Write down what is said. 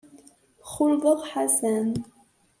Xulḍeɣ Ḥasan.